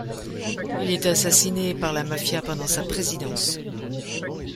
Il est assassiné par la mafia pendant sa présidence.